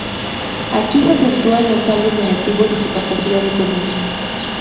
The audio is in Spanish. Aquí se acentúan los saldos negativos de su capacidad económica.